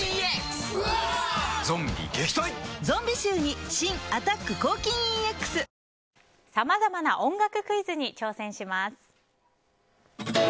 ゾンビ臭に新「アタック抗菌ＥＸ」さまざまな音楽クイズに挑戦します。